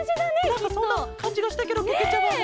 なんかそんなかんじがしたケロけけちゃまも！